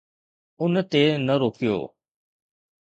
ان تي نه روڪيو.